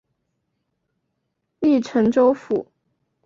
隶辰州府。